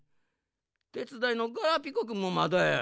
てつだいのガラピコくんもまだや。